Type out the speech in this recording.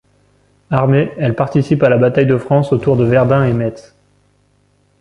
Armee, elle participe à la bataille de France autour de Verdun et Metz.